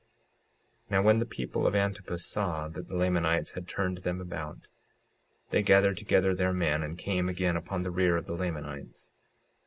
56:53 Now when the people of Antipus saw that the Lamanites had turned them about, they gathered together their men and came again upon the rear of the Lamanites.